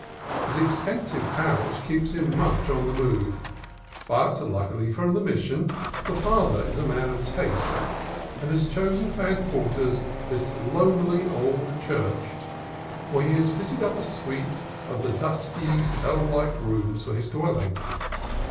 His exten sive parish keeps him much on the move, but, luck ily for the Mission, the Father is a man of taste, and has chosen for headquarters this lonely old church, where he has fitted up a suite of the dusky, cell like rooms for his dwelling.